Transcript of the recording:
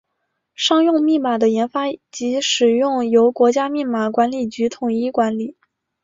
商用密码的研发及使用由国家密码管理局统一管理。